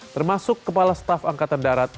termasuk kepala staf angkatan darat